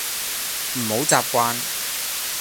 唔好習慣